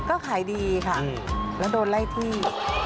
ก็ขายดีค่ะแล้วโดนไล่ที่